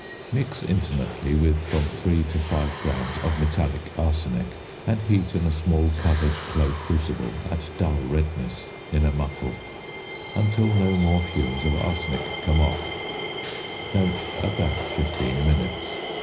Mix intimately with from 3 to 5 grams of metallic arsenic, and heat in a small covered clay crucible at dull redness in a muffle until no more fumes of arsenic come off (about 15 minutes).